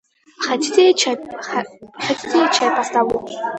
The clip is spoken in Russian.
Хотите, я чай поставлю.